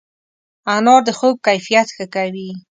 انار د خوب کیفیت ښه کوي.